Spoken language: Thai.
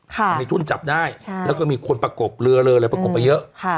มีทุนจับได้แล้วก็มีคนประกบเหลือไปเยอะ